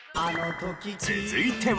続いては。